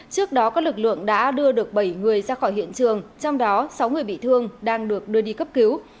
trước đó các lực lượng đã đưa được bảy người ra khỏi hiện trường trong đó sáu người bị thương đang được đưa đi cấp cứu